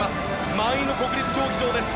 満員の国立競技場です。